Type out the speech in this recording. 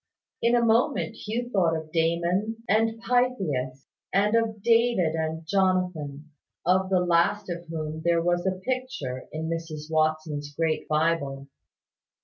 In a moment Hugh thought of Damon and Pythias, and of David and Jonathan, of the last of whom there was a picture in Mrs Watson's great Bible.